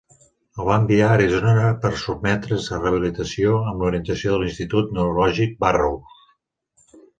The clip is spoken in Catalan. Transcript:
El van enviar a Arizona per sotmetre's a rehabilitació amb l'orientació de l'Institut Neurològic Barrows.